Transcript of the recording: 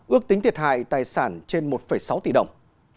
ước tính thiệt hại tài sản trên một sáu tỷ đồng